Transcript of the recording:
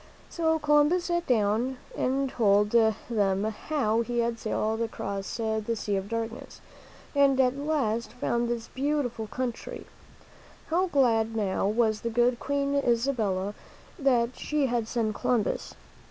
So Columbus sat down and told them how he had sailed across the Sea of Darkness and at last found this beautiful country. How glad now was the good Queen Isabella that she had sent Columbus!